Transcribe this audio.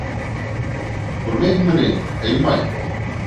Күрмәйһеңме ни, һыймай!